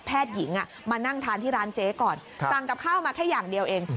หญิงมานั่งทานที่ร้านเจ๊ก่อนสั่งกับข้าวมาแค่อย่างเดียวเอง